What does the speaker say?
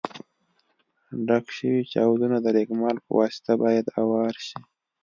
ډک شوي چاودونه د رېګمال په واسطه باید اوار شي.